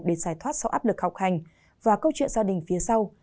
để giải thoát sau áp lực học hành và câu chuyện gia đình phía sau